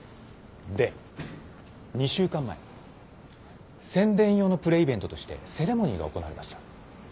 で２週間前宣伝用のプレイベントとしてセレモニーが行われました。